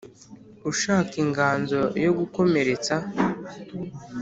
ushaka inganzo yo gukomeretsa